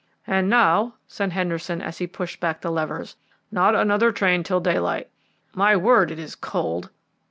"And now," said Henderson, as he pushed back the levers, "not another train till daylight. My word, it is cold!"